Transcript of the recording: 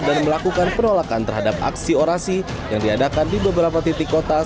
dan melakukan penolakan terhadap aksi orasi yang diadakan di beberapa titik kota